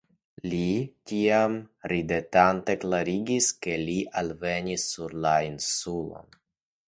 Li tiam ridetante klarigis, kiel li alvenis sur la Insulon.